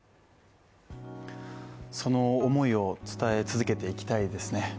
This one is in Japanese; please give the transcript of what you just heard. その思いを伝え続けていきたいですね。